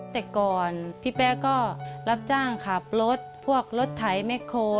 แต่ก่อนพี่แป๊ก็รับจ้างขับรถพวกรถไถแม็กโค